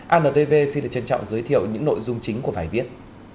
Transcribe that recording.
antv xin được trân trọng giới thiệu những nội dung chính của bài viết